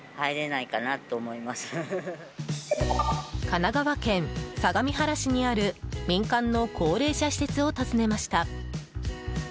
神奈川県相模原市にある民間の高齢者施設を訪ねました。